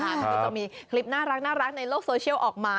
แล้วก็จะมีคลิปน่ารักในโลกโซเชียลออกมา